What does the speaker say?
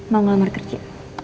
mau ngelamar kerja